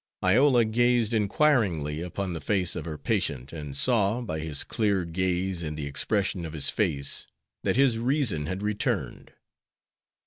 Iola gazed inquiringly upon the face of her patient, and saw, by his clear gaze and the expression of his face, that his reason had returned.